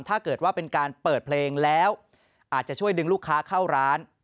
ถ้าเกิดว่าเป็นการเปิดเพลงแล้วอาจจะช่วยดึงลูกค้าเข้าร้าน